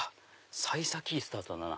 幸先いいスタートだな。